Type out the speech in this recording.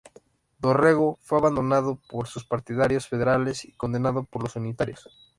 Dorrego fue abandonado por sus partidarios federales y condenado por los Unitarios.